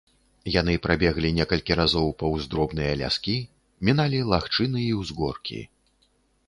Яны прабеглі некалькі разоў паўз дробныя ляскі, міналі лагчыны і ўзгоркі.